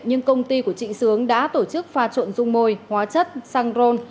nhưng công ty của trịnh sướng đã tổ chức pha trộn dung môi hóa chất xăng ron